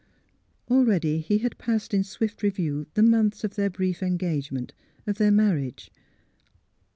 Already he had passed in swift review the months of their brief engagement — of their mar riage.